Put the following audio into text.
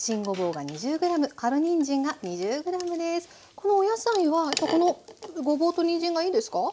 このお野菜はこのごぼうとにんじんがいいんですか？